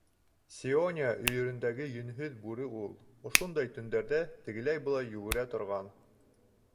Сиония өйөрөндәге йөнһөҙ бүре ул. Ошондай төндәрҙә тегеләй-былай йүгерә торған.